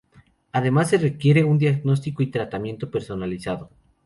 Además se requiere un diagnóstico y tratamiento personalizado.